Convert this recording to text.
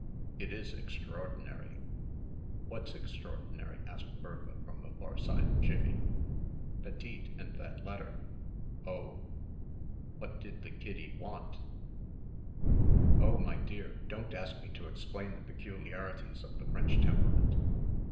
"It is extraordinary." "What's extraordinary?" asked Bertha from the far side of Jimmie. "Petite and that letter." "Oh." "What did the Kiddy want?" "Oh, my dear, don't ask me to explain the peculiarities of the French temperament."